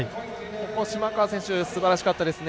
島川選手、すばらしかったですね。